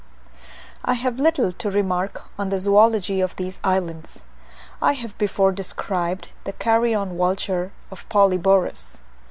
I have little to remark on the zoology of these islands. have before described the carrion vulture of Polyborus.